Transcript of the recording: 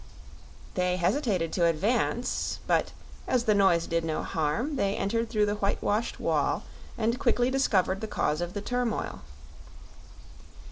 They hesitated to advance; but, as the noise did no harm, they entered through the whitewashed wall and quickly discovered the cause of the turmoil.